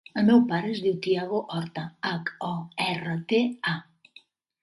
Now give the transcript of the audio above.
El meu pare es diu Thiago Horta: hac, o, erra, te, a.